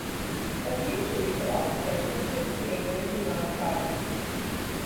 A few trees are also said to exist in neighboring Hunan Province.